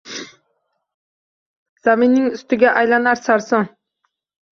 Zaminning ustida aylanar sarson